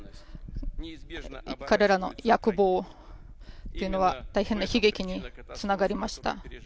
彼らの野望というのは大変な悲劇につながりました。